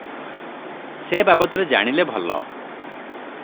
ସେ ବାବଦରେ ଜାଣିଲେ ଭଲ ।